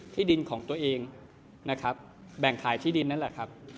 ที่ดินของตัวเองนะครับแบ่งขายที่ดินนั่นแหละครับ